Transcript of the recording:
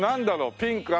ピンク赤。